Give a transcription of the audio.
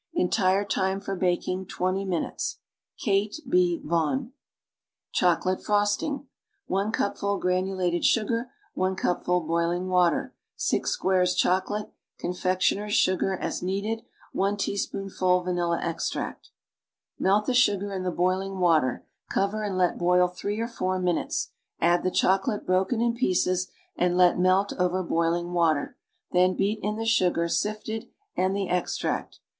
Entire time for baking twenty minutes. — Kutf IS. \'atigh)i. CHOCOLATE FROSTING 1 cupful granulated sugar confectioner's sugar as 1 cupful boiling water needed t! squares chocolate 1 teaspoonful vanilla extract Melt the sugar in the boiling water, cover and let boil three or four minutes, add the chocolate broken in pieces and let melt over boiling water, then beat in the sugar, sifted, and the extract.